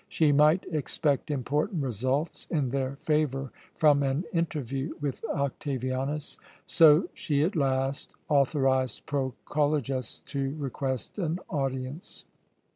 She might expect important results in their favour from an interview with Octavianus, so she at last authorized Proculejus to request an audience.